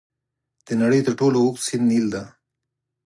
د نړۍ تر ټولو اوږد سیند نیل دی.